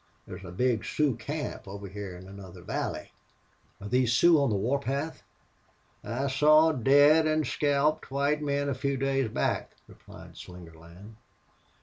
There's a big Sioux camp over hyar in another valley." "Are these Sioux on the war path?" "I saw dead an' scalped white men a few days back," replied Slingerland.